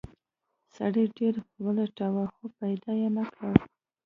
سړي ډیر ولټاوه خو پیدا یې نه کړ.